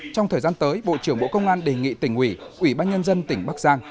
trong thời gian tới bộ trưởng bộ công an đề nghị tỉnh ủy ủy ban nhân dân tỉnh bắc giang